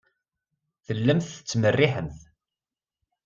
Tellamt tettmerriḥemt.